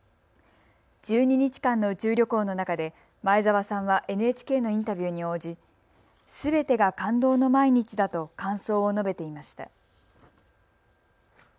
１２日間の宇宙旅行の中で前澤さんはＮＨＫのインタビューに応じすべてが感動の毎日だと感想を述べていました。